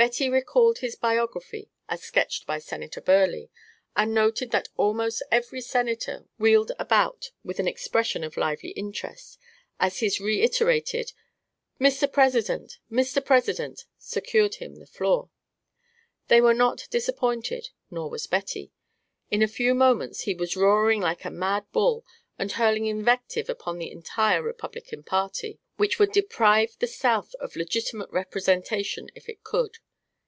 Betty recalled his biography as sketched by Senator Burleigh, and noted that almost every Senator wheeled about with an expression of lively interest, as his reiterated "Mr. President, Mr. President," secured him the floor. They were not disappointed, nor was Betty. In a few moments he was roaring like a mad bull and hurling invective upon the entire Republican Party, which "would deprive the South of legitimate representation if it could."